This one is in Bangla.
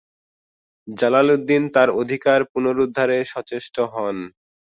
জালালউদ্দিন তার অধিকার পুনরুদ্ধারে সচেষ্ট হন।